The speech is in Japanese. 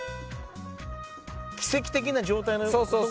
奇跡的な状態。